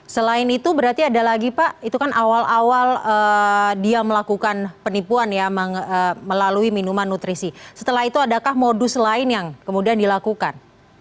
selain itu berarti ada lagi pak itu kan awal awal dia melakukan penipuan ya melalui minuman nutrisi setelah itu adakah modus lain yang kemudian dilakukan